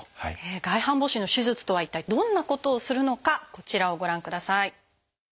外反母趾の手術とは一体どんなことをするのかこちらをご覧ください。